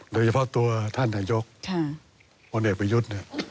โดยเฉพาะตัวท่านไทยกรมนต์เอกประยุทธ์